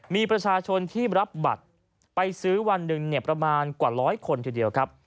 มีประชาชนที่รับบัตรไปซื้อวันหนึ่งประมาณกว่าร้อยคนทีเดียวครับ